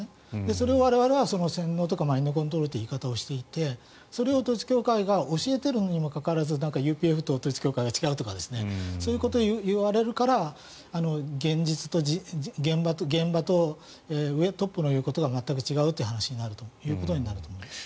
それを我々は洗脳とかマインドコントロールという言い方をしていてそれを統一教会が教えているにもかかわらずＵＰＦと統一教会は違うとかそういうことを言われるから現場とトップの言うことが全く違うという話になるということになると思います。